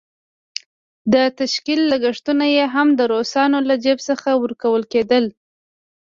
د تشکيل لګښتونه یې هم د روسانو له جېب څخه ورکول کېدل.